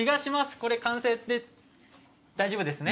これ完成で大丈夫ですね。